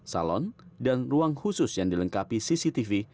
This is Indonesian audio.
salon dan ruang khusus yang dilengkapi cctv